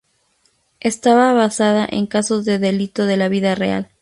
Estaba basada en casos de delito de la vida real.